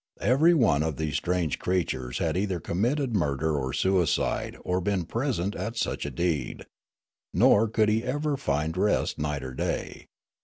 Every one of these strange creatures had either committed murder or suicide or been present at such a deed ; nor could he ever find rest night or day.